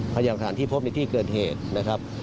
พยายามฐานที่พบในที่เกิดเหตุนะครับ